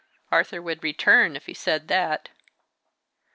Arthur would return, if he said that.